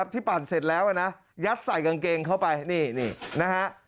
ปั่นเสร็จแล้วนะยัดใส่กางเกงเข้าไปนี่นะฮะ